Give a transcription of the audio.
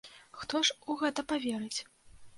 Хто ж у гэта паверыць?